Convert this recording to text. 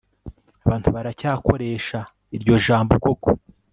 Abantu baracyakoresha iryo jambo koko